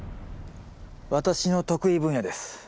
私の得意分野です。